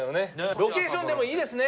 ロケーションでもいいですね。